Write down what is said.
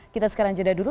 kita sekarang jeda dulu